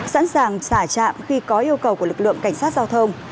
sẵn sàng xả chạm khi có yêu cầu của lực lượng cảnh sát giao thông